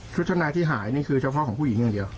ชุดชั้นในที่หายนี่คือเฉพาะของผู้หญิงอย่างเดียว